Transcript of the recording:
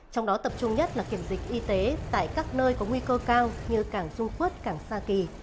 trong đó tập trung nhất là kiểm dịch y tế tại các nơi có nguy cơ cao như cảng du phước cảng sa kỳ